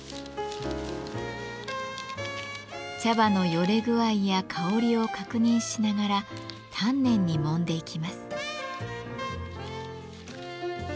茶葉のよれ具合や香りを確認しながら丹念にもんでいきます。